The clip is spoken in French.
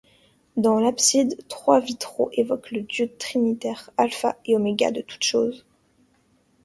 Dans l'abside, trois vitraux évoquent le Dieu trinitaire, Alpha et Oméga de toutes choses.